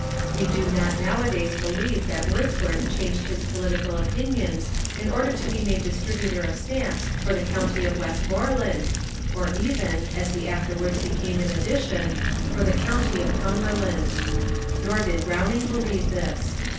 We do not nowadays believe that Wordsworth changed his political opinions in order to be made distributor of stamps for the county of Westmoreland, or even (as he afterwards became in addition) for the county of Cumberland. Nor did Browning believe this.